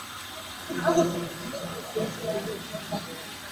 পত্রিকার গাড়ি অবরোধের আওতামুক্ত বলে চালক তাঁদের যেতে দেওয়ার অনুরোধ করেন।